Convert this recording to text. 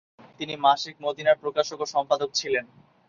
তিনি "মাসিক মদীনার" প্রকাশক ও সম্পাদক ছিলেন।